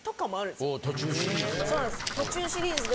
途中シリーズだ。